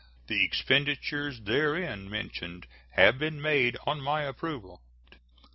The expenditures therein mentioned have been made on my approval. U.